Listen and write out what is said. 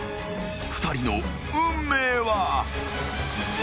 ２人の運命は］